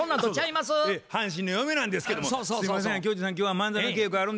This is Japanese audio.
「阪神の嫁なんですけどもすいませんが巨人さん